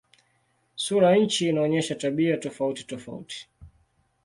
Sura ya nchi inaonyesha tabia tofautitofauti.